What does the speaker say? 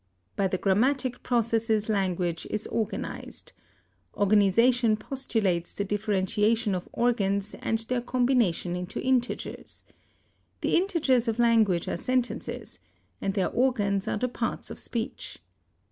By the grammatic processes language is organized. Organization postulates the differentiation of organs and their combination into integers. The integers of language are sentences, and their organs are the parts of speech.